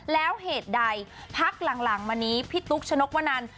แล้วเหตุใดพักหลังมานี้พี่ตุ๊กชนกวนัน